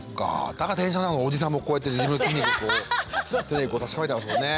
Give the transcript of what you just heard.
だから電車の中でおじさんもこうやって自分の筋肉こう常にこう確かめてますもんね。